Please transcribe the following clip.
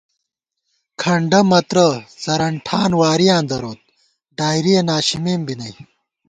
کھنڈہ مترہ څرَن ٹھان وارِیاں دروت ڈائرِیَہ ناشِمېم بی نئ